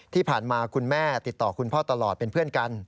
ที่ผ่านมาคุณแม่ติดต่อคุณพ่อตลอดเป็นเพื่อนกัน